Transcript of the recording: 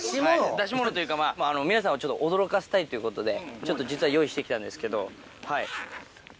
出し物というか、皆さんを驚かせたいということで、ちょっと実は用意してきたんですけど。